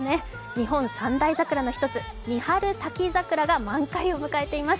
日本三大桜の一つ三春滝桜が満開を迎えています。